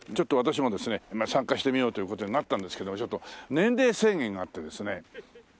私もですね参加してみようという事になったんですけどちょっと年齢制限があってですね